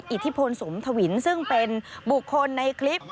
อิทธิพลสมทวินซึ่งเป็นบุคคลในคลิป